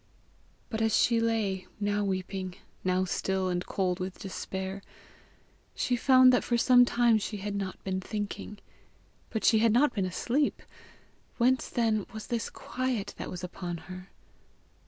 But as she lay, now weeping, now still and cold with despair, she found that for some time she had not been thinking. But she had not been asleep! Whence then was this quiet that was upon her?